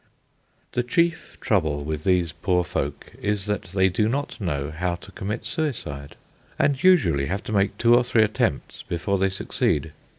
The chief trouble with these poor folk is that they do not know how to commit suicide, and usually have to make two or three attempts before they succeed.